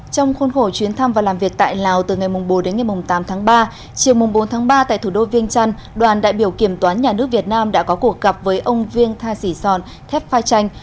trong khuôn khổ chuyến thăm và làm việc tại lào từ ngày mùng bốn đến ngày mùng tám tháng ba chiều mùng bốn tháng ba tại thủ đô viên trăn đoàn đại biểu kiểm toán nhà nước việt nam đã có cuộc gặp với ông viên tha sỉ sòn thép pha trành